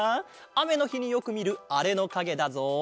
あめのひによくみるあれのかげだぞ！